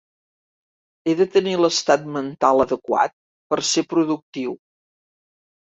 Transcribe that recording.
He de tenir l'estat mental adequat per se productiu.